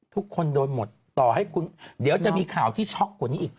ทุกคนโดนหมดต่อให้คุณเดี๋ยวจะมีข่าวที่ช็อกกว่านี้อีก